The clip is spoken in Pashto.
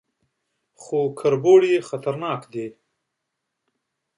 _خو کربوړي خطرناکه دي.